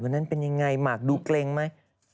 นั้นเป็นยังไงหมากดูเกร็งไหม